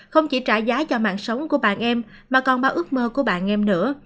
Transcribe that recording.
không chỉ trả giá cho mạng sống của bạn em mà còn bao ước mơ của bạn em nữa